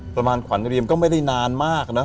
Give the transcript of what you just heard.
ประมาณขวัญเรียมก็ไม่ได้นานมากนะ